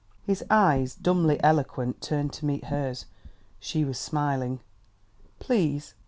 His eyes, dumbly eloquent, turned to meet hers. She was smiling. "Please!"